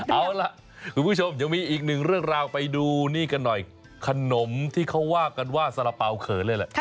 เอาล่ะคุณผู้ชมยังมีอีกหนึ่งเรื่องราวไปดูนี่กันหน่อยขนมที่เขาว่ากันว่าสาระเป๋าเขินเลยแหละ